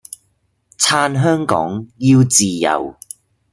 撐香港，要自由